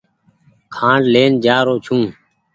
کآنڊ لين جآرو ڇون۔